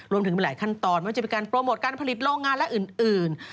มันเป็นหลายขั้นตอนว่าจะเป็นการโปรโมทการผลิตโรงงานและอื่น